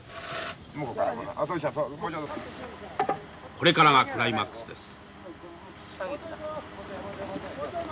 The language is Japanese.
これからがクライマックスです。